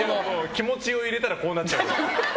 気持ちを入れたらこうなっちゃって。